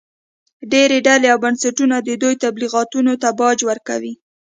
ډېرې ډلې او بنسټونه د دوی تبلیغاتو ته باج ورکوي